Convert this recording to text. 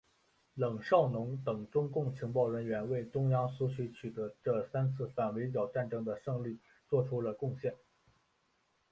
冷少农等中共情报人员为中央苏区取得这三次反围剿战争的胜利作出了贡献。